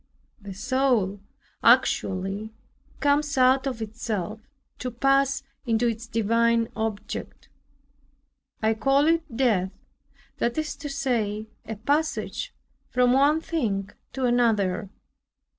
The soul actually comes out of itself to pass into its divine object. I call it death, that is to say, a passage from one thing to another.